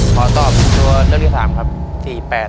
ขอตอบตัวเลือกที่๓๔๘